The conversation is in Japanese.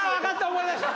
思い出した。